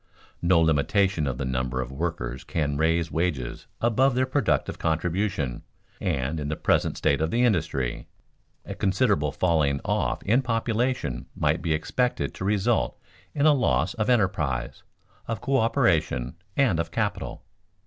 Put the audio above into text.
No limitation of the number of workers can raise wages above their productive contribution and, in the present state of industry, a considerable falling off in population might be expected to result in a loss of enterprise, of coöperation, and of capital.